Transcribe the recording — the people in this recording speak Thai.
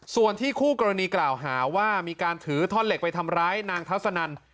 ส่วนที่คู่กรณีกล่าวหาว่ามีการถือท่อนเหล็กไปทำร้ายนางทัศนัน